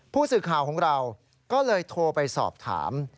ผู้สื่อข่าวของเราก็เลยโทรไปสอบถาม